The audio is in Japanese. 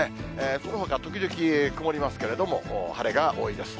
そのほか、時々曇りますけれども、晴れが多いです。